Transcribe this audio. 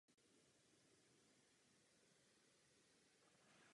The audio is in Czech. Je součástí sbírky chebské gotiky Galerie výtvarného umění v Chebu.